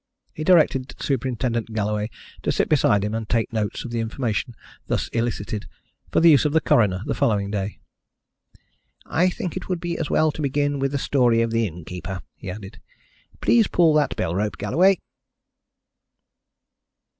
He directed Superintendent Galloway to sit beside him and take notes of the information thus elicited for the use of the coroner the following day. "I think it would be as well to begin with the story of the innkeeper," he added. "Please pull that bell rope, Galloway."